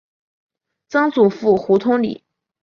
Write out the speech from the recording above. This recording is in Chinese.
曾祖父胡通礼。